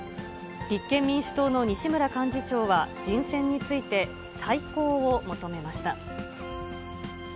立憲民主党の西村幹事長は、人選について再考を求めました。